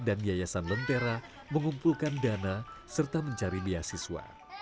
dan yayasan lentera mengumpulkan dana serta mencari biasiswa